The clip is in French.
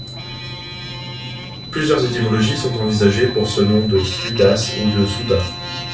Plusieurs étymologies sont envisagées pour ce nom de Suidas ou de Souda.